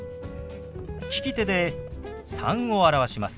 利き手で「３」を表します。